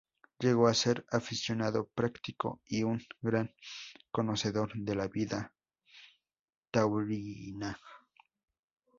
Llegó a ser aficionado práctico y un gran conocedor de la vida taurina.